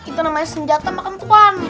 itu namanya senjata makan tuhan